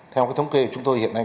theo cái thống kê chúng tôi hiện nay